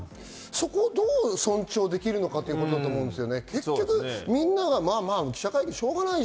そこをどう尊重できるかっていうことだと思うんですよね。